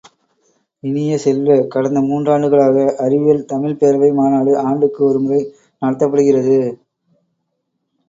இனிய செல்வ, கடந்த மூன்றாண்டுகளாக அறிவியல் தமிழ்ப் பேரவை மாநாடு ஆண்டுக்கு ஒருமுறை நடத்தப்படுகிறது.